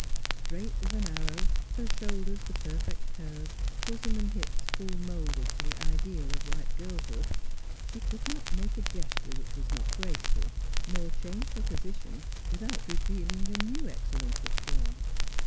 Straight as an arrow, her shoulders the perfect curve, bosom and hips full moulded to the ideal of ripe girlhood, she could not make a gesture which was not graceful, nor change her position without revealing a new excellence of form.